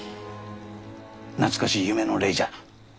懐かしい夢の礼じゃ。